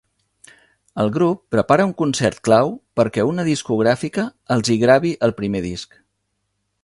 El grup prepara un concert clau perquè una discogràfica els hi gravi el primer disc.